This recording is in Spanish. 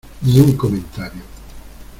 ni un comentario.